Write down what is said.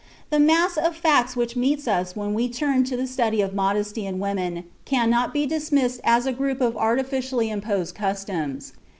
The mass of facts which meets us when we turn to the study of modesty in women cannot be dismissed as a group of artificially imposed customs.